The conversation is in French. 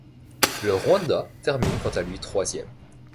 Le Rwanda termine quant à lui troisième.